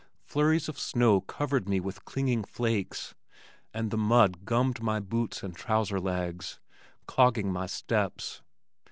Flurries of snow covered me with clinging flakes, and the mud "gummed" my boots and trouser legs, clogging my steps.